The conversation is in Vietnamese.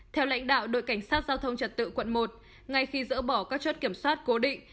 theo lãnh đạo đội cảnh sát giao thông trật tự quận một ngay khi dỡ bỏ các chốt kiểm soát cố định